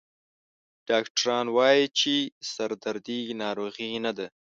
ډاکټران وایي چې سردردي ناروغي نه ده.